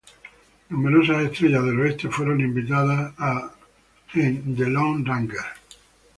Numerosas estrellas del oeste fueron invitados en The Lone Ranger.